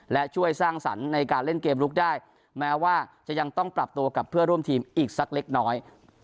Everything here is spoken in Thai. และช่วยสร้างสรรค์ในการเล่นเกมลุกได้แม้ว่าจะยังต้องปรับตัวกับเพื่อร่วมทีมอีกสักเล็กน้อย